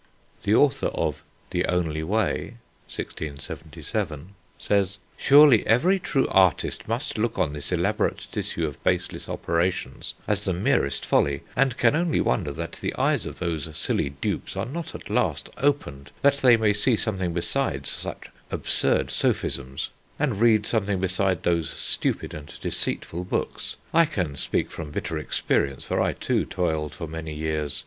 The author of The Only Way (1677) says: "Surely every true Artist must look on this elaborate tissue of baseless operations as the merest folly, and can only wonder that the eyes of those silly dupes are not at last opened, that they may see something besides such absurd sophisms, and read something besides those stupid and deceitful books.... I can speak from bitter experience, for I, too, toiled for many years